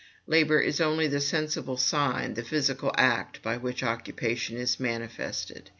Labor is only the sensible sign, the physical act, by which occupation is manifested.